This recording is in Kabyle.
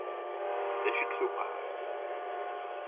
D acu i aɣ-tewqeɛ !